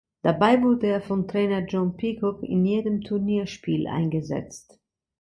Dabei wurde er von Trainer John Peacock in jedem Turnierspiel eingesetzt.